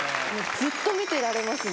ずっと見てられますね。